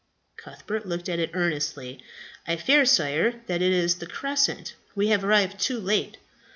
Cuthbert looked at it earnestly. "I fear, sire, that it is the crescent. We have arrived too late."